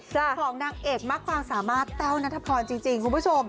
ของนางเอกมากความสามารถแต้วนัทพรจริงคุณผู้ชม